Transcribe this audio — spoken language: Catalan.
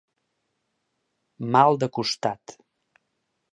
Mal de costat.